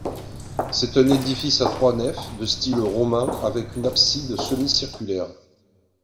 C’est un édifice à trois nefs, de style roman, avec une abside semi-circulaire.